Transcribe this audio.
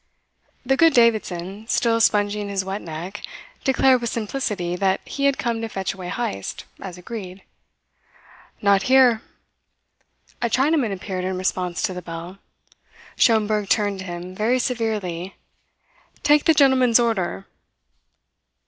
The good Davidson, still sponging his wet neck, declared with simplicity that he had come to fetch away Heyst, as agreed. "Not here!" A Chinaman appeared in response to the bell. Schomberg turned to him very severely: "Take the gentleman's order."